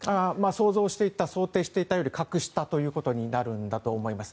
想像していた想定していたよりも格下ということになるんだと思います。